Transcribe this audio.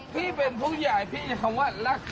พี่เป็นพวกใหญ่พี่จะคำว่ารัก